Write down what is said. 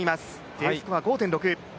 Ｄスコア５．６。